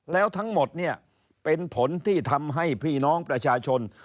แล้วทั้งหมดเนี่ยเป็นผลที่ทำให้พี่น้องประชาชน